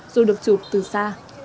dù được chụp từ xa